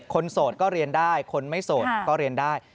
โสดก็เรียนได้คนไม่โสดก็เรียนได้